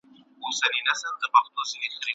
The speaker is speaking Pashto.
¬ غر پر غره نه ورځي، سړى پر سړي ورځي.